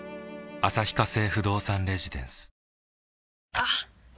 あっ！